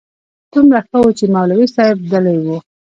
دومره ښه و چې مولوي صاحب دلې و.